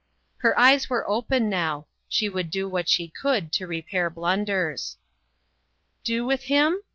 Her eyes were open now; she would do what she could to repair blunders. "Do with him?"